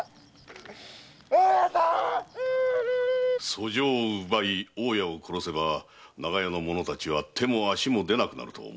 訴状を奪い大家を殺せば長屋の者達は手も足も出なくなると思ったのでしょうな。